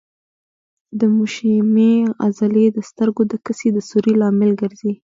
د مشیمیې عضلې د سترګو د کسي د سوري لامل ګرځي.